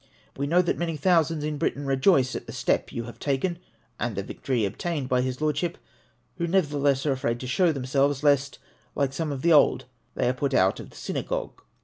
We know that many thousands in Great Britain rejoice at the step you have taken, and the victory obtained by his Lord ship, who nevertheless are afraid to show themselves lest, like some of old, they are put out of the Synagogue.